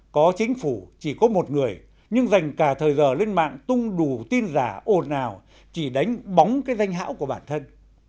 có chính phủ chỉ có một người nhưng dành cả thời giờ lên mạng tung đủ tin giả ồn ào chỉ đánh bóng cái danh hảo của bản thân